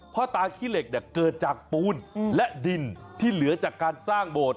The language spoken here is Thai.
พ่อตาขี้เหล็กเนี่ยเกิดจากปูนและดินที่เหลือจากการสร้างโบสถ